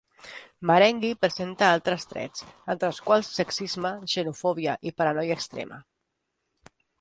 Marenghi presenta altres trets, entre els quals sexisme, xenofòbia i paranoia extrema.